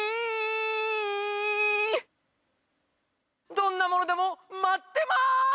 どんなものでも待ってます。